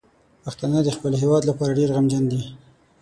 پښتانه د خپل هیواد لپاره ډیر غمجن دي.